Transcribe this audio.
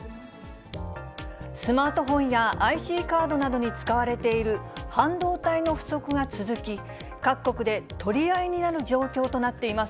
スマートフォンやＩＣカードなどに使われている半導体の不足が続き、各国で取り合いになる状況となっています。